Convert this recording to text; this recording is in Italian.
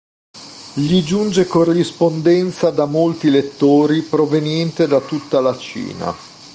Gli giunge corrispondenza da molti lettori proveniente da tutta la Cina.